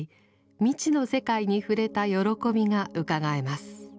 未知の世界に触れた喜びがうかがえます。